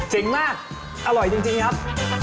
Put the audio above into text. มากอร่อยจริงครับ